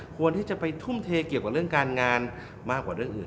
ควรที่จะไปทุ่มเทเกี่ยวกับเรื่องการงานมากกว่าเรื่องอื่น